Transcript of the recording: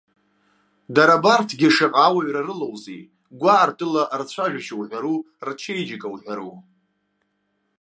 Дара абарҭгьы шаҟа ауаҩра рылоузеи, гәаартыла рцәажәашьа уҳәару, рчеиџьыка уҳәару.